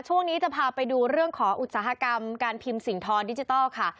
ช่วงนี้จะพาไปดูเรื่องของอุตสาหกรรมการพิมพ์สิ่งทอนดิจิทัลค่ะ